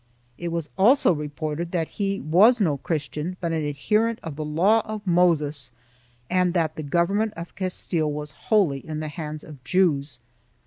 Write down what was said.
It was also reported that he was no Christian but an adherent to the Law of Moses and that the government of Castile was wholly in the hands of Jews.